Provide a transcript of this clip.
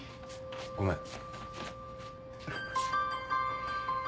ごめん。